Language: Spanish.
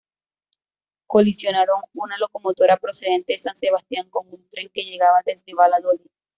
Colisionaron una locomotora procedente de San Sebastián con un tren que llegaba desde Valladolid.